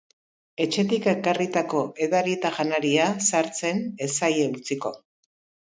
Etxetik ekarritako edari eta janaria sartzen ez zaie utziko.